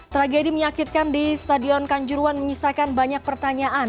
tragedi menyakitkan di stadion kanjuruan menyisakan banyak pertanyaan